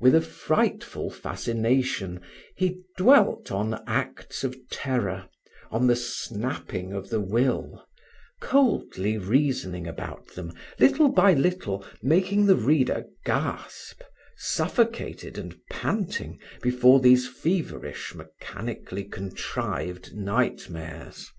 With a frightful fascination, he dwelt on acts of terror, on the snapping of the will, coldly reasoning about them, little by little making the reader gasp, suffocated and panting before these feverish mechanically contrived nightmares.